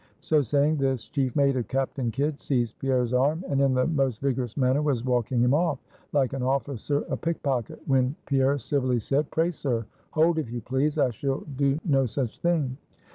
So saying, this chief mate of Captain Kidd seized Pierre's arm, and in the most vigorous manner was walking him off, like an officer a pickpocket, when Pierre civilly said "Pray, sir, hold, if you please, I shall do no such thing."